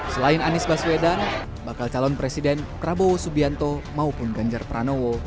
selain anies baswedan bakal calon presiden prabowo subianto maupun ganjar pranowo